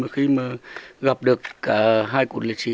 khi mà gặp được cả hai hài cốt liệt sĩ